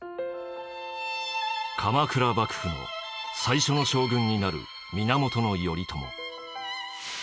鎌倉幕府の最初の将軍になる源頼朝。